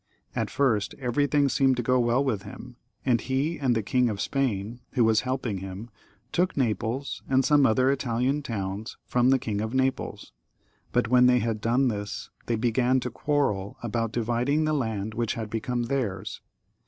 At first everything seemed to 50 well with him, and he and the King of Spain, who was helping him, took Naples and some other Italian towns from the King of Naples ; but when they had done this they began to quarrel about dividing the land which had become theirs.